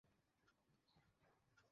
যেই এ আওয়াজ শুনে সেই দৌড়ে আসতে থাকে।